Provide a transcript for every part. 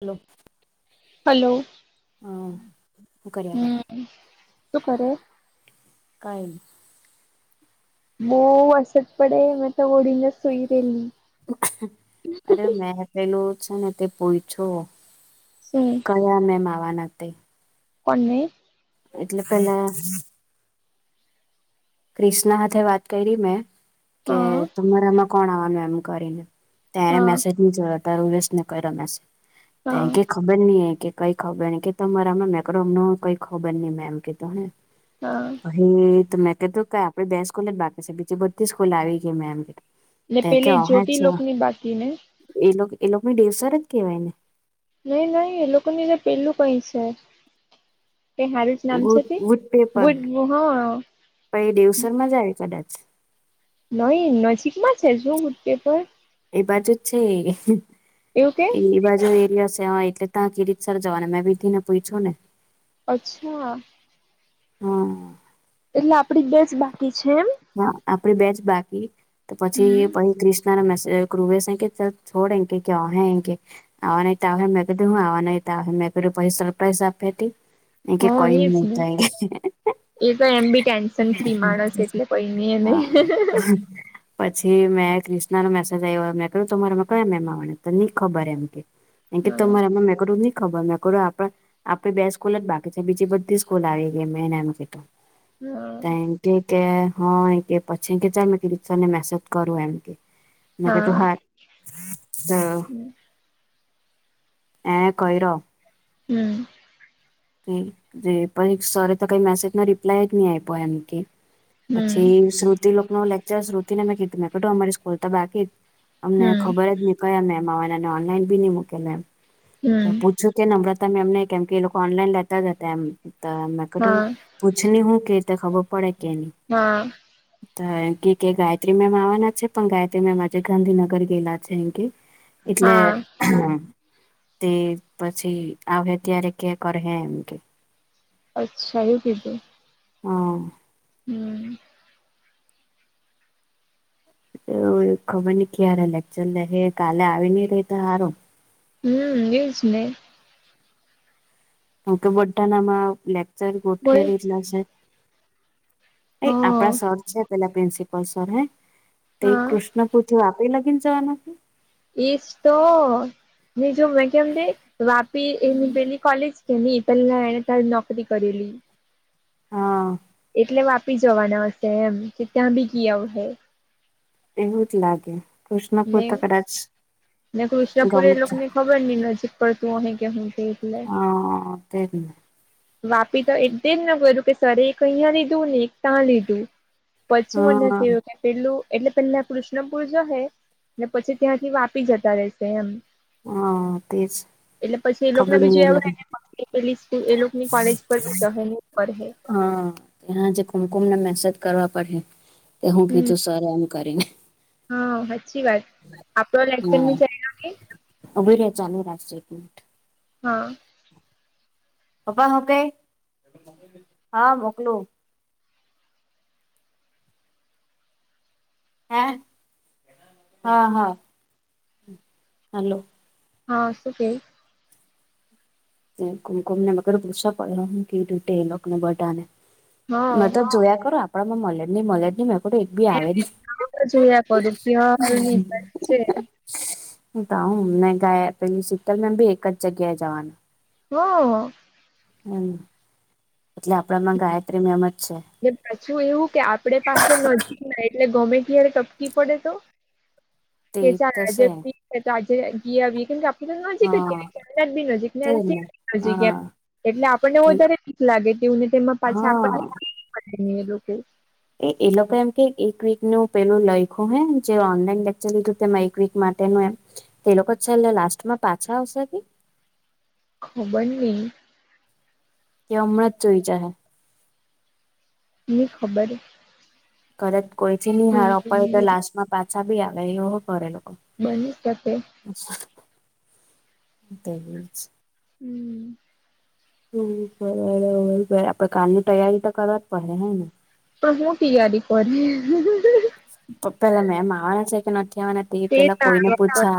Hello. Hello હું કર્યા કર હમ શું કરો? કઈ ન બો વરસાદ પડે મે તો ઓડીને સૂઈ ગેલી. અરે મેંહ પેલું છે ને તે પૂઇછું. શું? કયા મેમ આવાના તે. પને એટલે પેલા ક્રિષ્ના હાથે વાત કરી મેં કે હા તમારામાં કોણ આવાનું એમ કરીને. ત્યારે હા મેસેજ ની જોયો તો ઉર્વેશ ને કર્યો મેસેજ તેમ હા કેક ખબર નઈ કે કઈ ખબર ન કે તમારામાં મેક્રોમ ન કઈ ખબર નઈ મેમ કે તુ હુ. હા. હે તો મેં કીધું કે આપે બે સ્કૂલ જ બાકી છેકી બીજી બધી સ્કૂલ આવી ગઈ મે એમ કે. ને કે પેલી અહે જ્યોતિ છે લોક ની બાકી ને. એ લોકો એ લોકોને દેવસર જ કેવાય ને નહી નઈ એ લોકો ની પેલું કઈ છે એ હારું જ નામ છે ગુડ તે ગુડ દેવસરમાંજા આવે કદાચ નહી નજીકમાં છે શું પેપર એ બાજુ છે એ એવું કે એમની બાજુ એરિયા છે એટલે ત્યાં કિરીટસર જવાને મેં બી તેને પૂછ્યું ને અચ્છા હા એટલે આપડી દસ બાકી છે એમ હા આપડી બેજ બાકી તો હમ પછી પછી ક્રિષ્ના ક્રુવેસ કે ચ છોડે કે હહા હે એે આવા નહ તો આવે મેં કધું હું આવા નહી તો સરપ્રાઈઝ આપે તે એ કે હ કઈ એજ ની ને થાય એ તો એમ બી ટેન્શન ફ્રી માણસ એટલે કઈ નઈ એને હા પછી મેં ક્રિષ્ના નો મેસેજ આવ્યો મેં કહ્યું તમારામાં કયા મેમ આવવાના તો ની ખબર એમ કે હ તમારા માં મેં કીધું ની ખબર આપણા આપણી બે સ્કૂલ બાકી બીજી બધી સ્કૂલ આવી ગયી મે એને એમ કીધું હ એમ કેય કે હા એ કે પછી કે ચાલ મે સર ને મેસેજ કરું એમ કે મેં કેતો હા હારુ તો હમ એણે કોઈરો હમ, તે જે પહી સરે તો કઈ મેસેજના રિપ્લાય જ ની આયપો એમ કેય પછી શ્રુતિ લોકનો લેક્ચર શ્રુતિ ને મેં કીધ મેં કીધુ અમારી સ્કૂલ તો બાકી જ અમને હમ ખબર જ ની કયા મેમ આવાના ને ઓનલાઈન બી ની મૂકેલુ એમ ત હમ પૂછ છયુ કે નમ્રતા મેમ ને કેમકે એ લોકો ઓનલાઈન લેતા જ અતા એમ તો મેં કીધુ હા પૂછની હુ કેય તે ખબર પડે કેની હા, [inaudible] ત‌ એમ કેય કે ગાયત્રી મેમ આવવાના છે પણ ગાયત્રી મેમ આજે ગાંધીનગર ગેલા છે એમ કેય એટલે હા તે પછી આવહે ત્યારે કે કરહે એમ કેય અચ્છા એવુ કીધું હ, હમ એવ એક ખબરની કયારે લેકચર લેહે કાલે આવીની રેય તો હારુ હમ, એ જ ને હ, કેમ કે બધાનામાં લેક્ચર બોલ ગોઠવી દીધલા છે. એ હા આપડા સર છે પેલા પ્રિન્સિપલ સર હે તે હા કૃષ્ણપુત્ર આપ કોઈ લગીન જાવાના કે એજ તો ને જો મેં કેમ તે વાપી એની પેલી કોલેજ કેની પેલ્લા એણે તા જ નોકરી કરેલી હા, એટલે વાપી જવાના હશે એમ કે ત્યાં બી ગી આવહે એવું જ લાગે કૃષ્ણપુર ને તો કદાચ ગમ છે. ખબરની નજીક પડતું અહે કે હું તે એટલે હ, તે જે ને વાપી તો એટ, તે જ મે કયરુ કે સરે એક અઈયા લીધું ને એક તા લીધું પછી મને હા થીયુ કે પેલ્લું એટલે પેલ્લા કૃષ્ણપૂર જહે ને પછી ત્યાંથી વાપી જતા રેશે એમ હા તેજ એટલે પસી એલોકને ખબર બી નહી જોય એ આવહે કે પસી પેલી સ્કુ એલોક કોલેજ પર બી જહે ને એવુ કરહે હા, હાજે કુમકુમને મેસેજ કરવા પડહે કે હું કીધું સરે એમ કરીને હ, હાચ્ચી વાત આપડો હ, લેક્ચર ની ચાયલો ઉભી રે ચાલુ રાખજે એક મિનિટ હા પપ્પા હુ કેય, હ મોકલુ હે, હ હ હલો હા, શું કેય એ કુમકુમ ને એલોક ને પૂછવા પડહે હું કીયુ તે એલોકને બધાને હા મેત મે જોયા કરુ આપણામાં મલેજની મલેજની મે તો એક ભી આવેજની જોયા કરું કે છે હ ત હું ને ગાયા ને પેલી શીતલ મેમ ભી એક જ જગ્યાએ જાવાની હ હમ, એટલે આપડામાં ગાયત્રી મેમ જ છે. ને પાછું એવું કે આપડે પાસા નજીકના એટ ને ગમે ત્યારે ટપકી પડે તો તે કે ચાલ થશે આજેભી એત આજે ગી આવીએ કેમ કે આપણી તો નજીક જ કે હા ની કોલેજ બી નજીક ને તેજ એનસેએ ભી નજીક હા એમ એટલે આપણને વધારે બીક લાગે તેવુને તેમાં પાછા હા આપણને કરેની એલોકોયે એ એલોકો એમ કેય એક વીકનું પેલું લયખું હે જે ઓનલાઈન લેક્ચર લીધું તેમાં એક વીક માટેનું એમ તે લોકો છેલ્લે લાસ્ટમાં પાછા આવશે કે ખબર નથી કે અમૃત ચોઈ જા હે ખબર કદચ કોઈથી નહ હાર અપડ તો લાસ્ટમાં પાછા બી આવે એવો કરરેલો બની જ તતે તે છે. હમ્મ હમ બરાબર આપડે કાલની તૈયારી તો કરવા જ પડે હેને. હ હું તયારી કરી પપેલા મે મા આવેવા શ ન નથીવાના એ તે પેલા કોઈને પૂછા જાણવા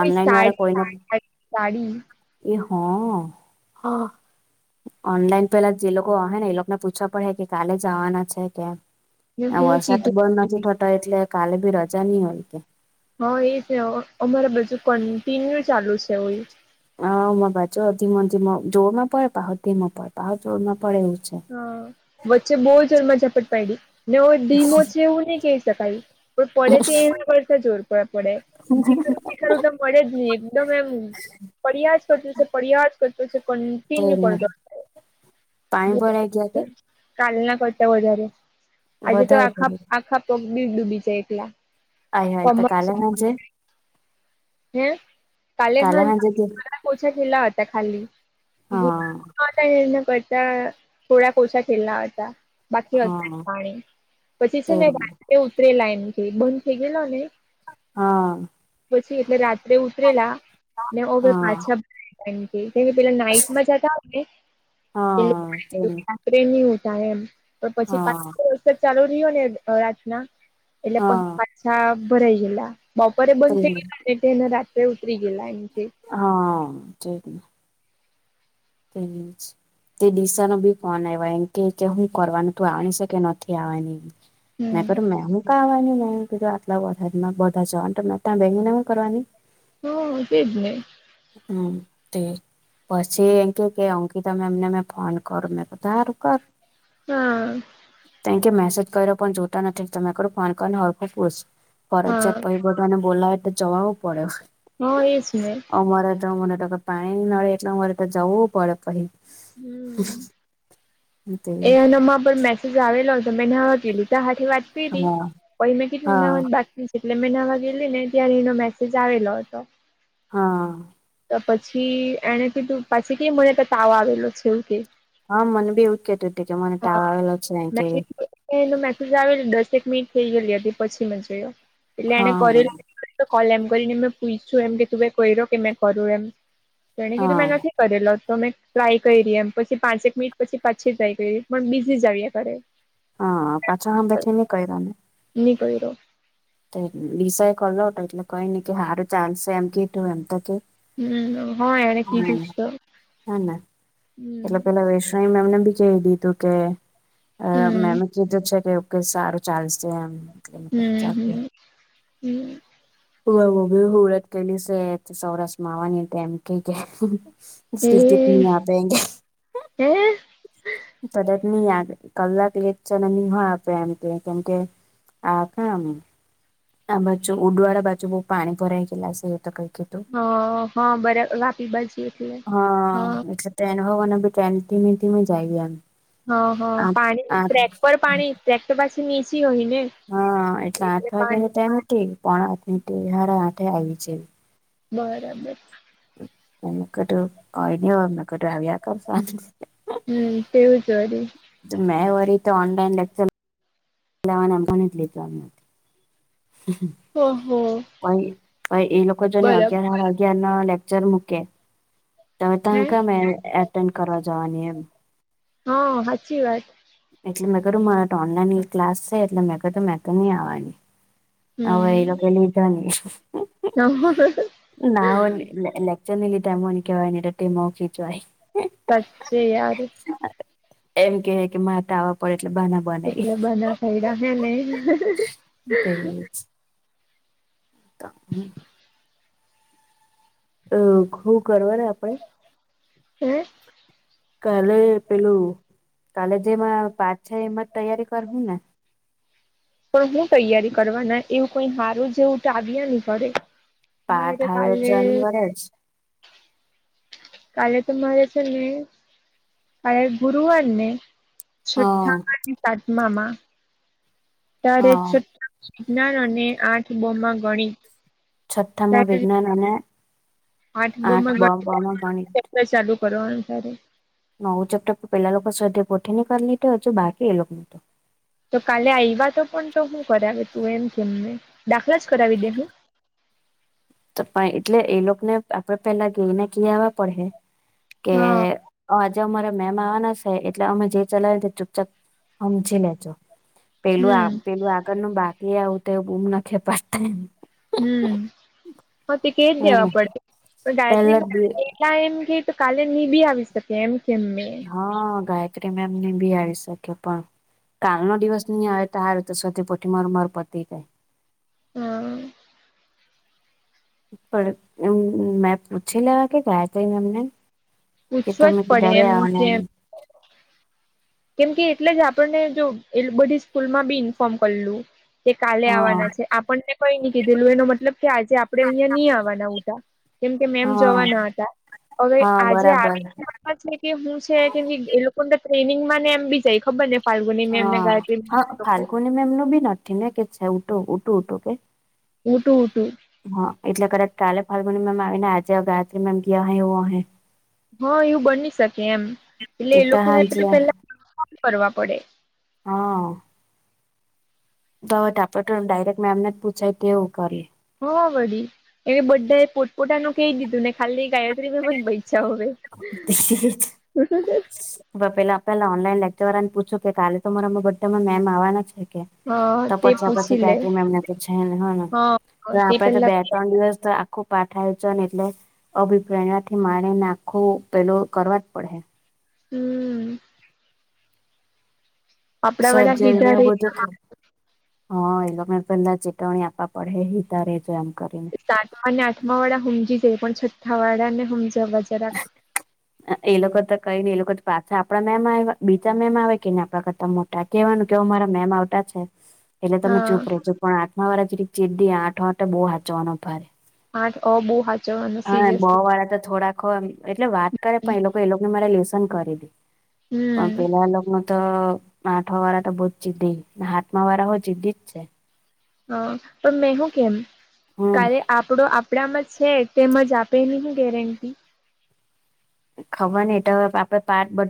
ઓનલાઈન વાળા સાડી કોઈને સાડી એ હો હો. ઓનલાઈન પેલા જે લોકો હ ને એ લોકોને પૂછવા પડે કે કાલે જવાના છે કેમ. ને હું વરસાદ બંધ નથી કીધું થતો એટલે કાલે ભી રજા નહી હોય કે હા એ છે અમારે બજુ કન્ટિન્યુ ચાલુ છે, હય હ ભજોધ મથીમાં જોર માં પડે પહમાં પડે પહ જોર માં પડે એવું છે. હ વચ્ચે બહુ ચરમાં ઝપટ પડી ને ડીમો છે એવું નહી કહી શકાય પણ પડે એના વરસા જોરપ પડે અ રૂપિયા મળે જ નહી એકદમ એમ ફરિયાદ કરત છે ફરિયા જ કરત છે. પડતો પાણી ભરાઈ ગયા કે કાલ ના કરતા વધારે આજે તો વધારે આખા ભ આખા તોગ બીબડુબી છે, એકલા આઈ હ તો કમર કાલે સુધી મજે હે કાલે હા હાજે કે મા પોછા ખેલા હતા ખલી. નિ હા ન કરતા થોડા કોસાા ખેલના આવ હતા. બાકી અત હા પાણી પછી છે તે ને ઉતરે લાઈન થી બંધ થઈ ગયેલો ને હા પછી એટલે રાત્રે ઉતરેલા ને હવે હા પાછા કે પેલા નાઈટમાં જતા હો, ને હા તે ટ્રેન ની ઉ થાય એમ પણ પછી હા પાંચ વરષ ચાલુ રહ્યો ને રાતના. એટલે પછ હા પાછા ભરાઈ ગયેલા બરે તે બંધ થ ગ નેને રાત્રે ઉતરી ગેલા એ. હા [unintelligible] તેનજ. તે દિશા ન બી કોણ આવ એમ કે કે હું કરવાનું ત આવ શ કે નથી આવવાની. મેં હમ કર્યું મેં હું કાવાની મેં કીધું આટલાા બધા જવા મેં ત્યાં બેસીને હું કરવાની. હમ એજ ને હમ તે. પછી એકી કે અંકી તમે એમને મે ફોન કરો મે કીધું હારું કર. હા. ક કે મેસેજ કર્યો પણ જોતા નથી તમેો ફોન કરીને ઓળખો પૂર હા ફરજિયાત પઈ તો એને બોલાવે તો જવાવું પડે. હું એસ ને અમારે તો મને તો કે પાણી નળે એટલે અમારે તો જવું પડે પહી. હમ તે એનામાં પણ મે આવેલો તો મેં ન હતી લીતા સાથે વાત કરી હા પછ મેં કેટલી ના હા બાકી. એટલે મહિનાવા ગેલી ને ત્યારે એનો મેસેજ આવેલો હતો. હા. પછી એને કીધું પછી કે મને તો તાવ આવેલો છેવું કે. હા મને બી ઉકે હતું ટ મને ટાળ છે કે. મેં કીધું એનો મેસેજ આવેલો દસેક મિનિટ થઈ ગયલી હતી પછી મે જોયો એટલે એને હા કરલ તો કોલ એમ કરીને મેં પૂછું એમ કે તું કો કે મે કરું એમ તેણે કીધું હા મેં નથી કરેલો તો મેં ટ્રાય કરી ર એમ પછી પાંચેક મિનિટ પછી પાછી ટ્રાય કરી પણ બિઝી જાવએ ઘરે હા પાછા હમ બેખને ક નિ કર્યો િશ એ કલો હતો એટલે કઈ નને સારું ચાલશે એમ ક તું એમ તો કે હમ હા એને કીધું છ હે ને એટલે પેલા વૈશ્ણણી મેમને બી કહી દીધું કે હમ મેમે કીધું છે કે સારું ચાલશે એમ હમ એટાલ હમ હમ હી હળત કેલી છે સૌરાષ્ટ્રમાંવાની એમ કે કે એલીી કેટ ન એ આ પેગે હે તદત નહી કલાક એક ચન નહી હોય આપે એમ કે કેમકે આ કામ આ બાચું ઉડુવાળ બાચું બ પાણી ભરાઈ ગલા સું તો કઈકી તું હ હા બરા વાપી બાજી હા એટલે ટ્રેન હોવાને બી ટ્રેન ધીમેી ધીમે જઈ ગયા એમ હ હ પાણી આ ટ્રેક પર પાણી ટ્રેક્ટ પાછી નીચી હોય ને હા એટલે આઠ વાગ્યા ની ટાઈમ પણ આઠ સાડાે આઠે આવી જાય બરાબર એમ કટું કઈ ન હોય એમ કું આવી આ કર હમ તેવું જ હો મેં વરી તો ઓનલાઈન લેક્ચર લેવાને મને જ લીધું નથી ઓહો પ પ એ લોકો જો ને બરાબર અગિયાર હાડા અગયાર ન લેક્ચર મૂકે તો ત હે કમે એટેન્ડ કરવા જવાની એમ હા સાચી વાત એટલે મગું મારા ઓનલાઈન ક્લાસ એટલે મગડ મગની આવવાની હવે એ લોકો લીધો હ હ ના લેક્ચરની લી ટ મોનિકવાટ ટમખી જ સાચે યાર એમ કેવાય કે માટ આવવા પડે એટલે બના એટલે બના ખાઈ રહ નને ત હમ અ ખું કરવાવ આપણે હમ કાલે પેલું કાલે જેમાં પાચ છે એમાં તૈયારી કરવું ને [inaudible] [inaudible] [inaudible] પણ હું તૈયારી કરવાના એવું કઈ હારું જેવું ટ આવ્યા નની ઘડે મ તો કાલને બ છે કાલે તો મહરા છે નહી કાલે ગુરુવાર નહી હ છઠ્ઠામાંની સાતમામાં હ ત્યારે છઠ્ઠા કિજ્નાર અને આઠ બો માં ગણિત છથ્ઠામાં ત્યારે વિજ્ઞાન અને આઠ બ બ માં ગણી ચાલુ કરવાનું ત્યારે નવું ચેપ્ટર પેલા લોકો શરદી પોઠથી ની કરી લીધ તો હજુ બાકી એ લોકો તો તો કાલે આવવા તો પણ તો હું કરાવે તું એમ કેમને દાખલા જ કરાવી દે હું પણ એટલે એ લોકોને આપડે પેલા ગઈને કવા પડે કે હા આજે અમારા મેમ આવવાના છે એટલે અમે જે ચલાવી ચુપચાપ સમજી લેજો હમ પેલું પેલું આગળનું બાકી આવું તો એવું બૂમ નાખે પડતા એમ હમ હ તે કે જ દેવા હ પડશે પણ પેલા જ ગાયત્રી એમ કે તો કાલે ની બી આવી શકે એમ કેમ મે હા ગાયત્રી મે એમ નહી બી આવીરી શકે પણ કાલ નો દિવસ નહી આવે ત હ તો સથીઠી માર માર પતી કાય હા પણ મેં પૂછી લેવા કે ગયા છે એમને કે પૂછવા જ તમે કે પડે એમ ડરે્યાને કેમ કેમ કે એટલે જ આપણને જો એ બધી સ્કૂલમાં બી ઇન્ફોર્મ કરેલું. તે કાલે હા આવવાના છે આપણને કઈ ન કીધેલું એનો મતલબ કે આજે આપડે અહિયાયા નહી આવવાના ઉટ કેમ કે મેમ હા જોવા ના હતા હવે હા આજે બરાબર આવી છે કે હું છે કેમ એ લોકોને તો ટ્રેનિંગ ને એમ બી જાય ખબર ને ફાલ્ગુની એમને ગાય એનું બી નથી ને કે છે ઉટું ઉટું ઉટું કે ઉટું ઉટું હા એટલે કદાચ કાલે ફાર્મુની મેમ આવી ને આજે ગાયત્રી મેમ ગયા એવું હહી હા એવું બની શકે એમ એટલે તે એ તો લોકો હાંજે પેલા કરવા પડે હા. તોવે આપે ડાયરેક્ટ મેમને જ પૂછાય તે એવું કરીએ. હા વડી એને બધાએ પોટપોટાનું કહી દીધું ને ખાલી ગાયત્રી મેમ જ પૈછ હવે [inaudible] હ પેલા આપેલા ઓનલાઈન લેકચર વાર ને પૂછું કે કાલે તો મારામાં બધામાં મેમ આવવાના છે કે હા તો તે પછા પછી પૂછી લે કેટરી એમને તો છે ને હ તો હા તે આપડે તો પેલા બે ત્રણ દિવસ તો આખું પાઠાયું છે એટલે અભિપ્રાયથી મારેને આખું પેલું કરવા જ પડે. હમ આપડા વાળા સજને હીધા રે બધું કે હા એ લોકો મે પેલા ચેતવણી આપવા પડે હ તારેજ એમ કરીને. સાતમા ને આઠમા વાળા સમજી જાય પણ છઠ્ઠા વાળા ને સમજવા જરા એ લોકો તો કઈ ને એ લોકો પાછા આપડા મેમ આયવા બીજા મેમ આવે કે ને આપડા કરતા મો તા કેવાનું કે અવે મારા મેમ આવટા છે. એટલે હ તમે ચૂપ રેહ જો પણ આઠમા વાળા જીરીક જિદ્દી આઠવા માટે બો હાંચવાનો ભારે. આઠ અ બો હા હા બો વાળા તો થોડા એટલે વાત કરે પણ એ લોકો એ લોકોને મારે લેસન કરી દે પણ હમ પેલા એ લોકનું તો તો આઠવા વાળા તો બજ જીદી હાથમા વાળા હો જીદી જ છે. હ પણ મેં હું કેમ હમ કાલે આપડો આપડામાં છે તેમજ આપે ની હું ગેરંટી. ખબર ની તમે આપડે પાટ બટ